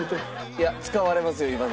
いや使われますよ今の。